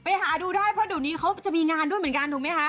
หาดูได้เพราะเดี๋ยวนี้เขาจะมีงานด้วยเหมือนกันถูกไหมคะ